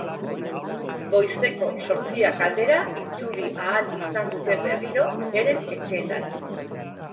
Goizeko zortziak aldera itzuli ahal izan dute berriro beren etxeetara.